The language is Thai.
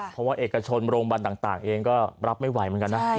เพราะว่าเอกชนโรงพยาบาลต่างเองก็รับไม่ไหวเหมือนกันนะ